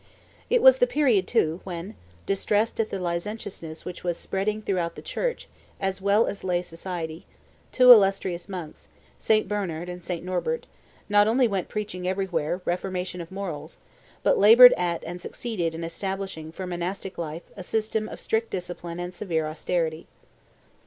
It was the period, too, when, distressed at the licentiousness which was spreading throughout the Church as well as lay society, two illustrious monks, St. Bernard and St. Norbert, not only went preaching everywhere reformation of morals, but labored at and succeeded in establishing for monastic life a system of strict discipline and severe austerity.